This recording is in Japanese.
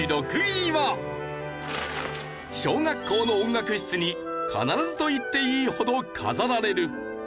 小学校の音楽室に必ずと言っていいほど飾られる。